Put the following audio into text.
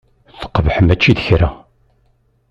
Teqbeḥ mačči d kra.